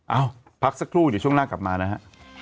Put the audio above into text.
เอ้าพักสักครู่เดี๋ยวช่วงหน้ากลับมานะฮะ